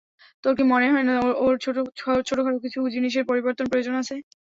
তোর কি মনে হয় না, ওর ছোট খাটো কিছু জিনিসের পরিবর্তনের প্রয়োজন আছে?